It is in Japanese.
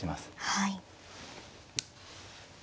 はい。